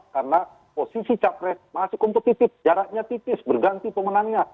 karena posisi capres masih kompetitif jaraknya tipis berganti pemenangnya